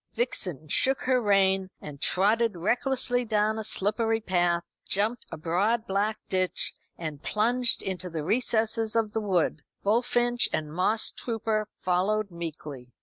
Vixen shook her rein and trotted recklessly down a slippery path, jumped a broad black ditch, and plunged into the recesses of the wood, Bullfinch and Mosstrooper following meekly.